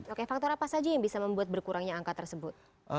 oke faktor apa saja yang bisa membuat berkurangnya angka tersebut